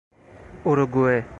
اروگوئه